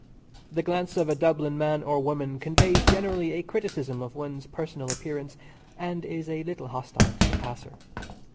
The glance of a Dublin man or woman conveys generally a criticism of one's personal appearance, and is a little hostile to the passer.